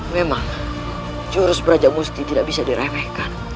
memang jurus praja musti tidak bisa diremehkan